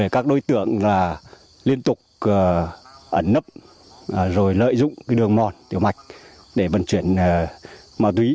các đối tượng liên tục ẩn nấp rồi lợi dụng đường mòn tiểu mạch để vận chuyển ma túy